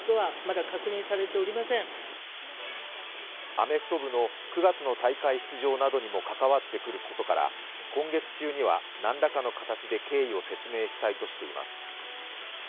アメフト部の９月の大会出場などにも関わってくることから今月中には何らかの形で経緯を説明したいとしています。